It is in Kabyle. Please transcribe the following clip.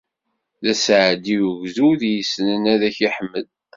D aseɛdi ugdud i yessnen ad k-iḥmed.